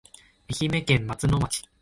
愛媛県松野町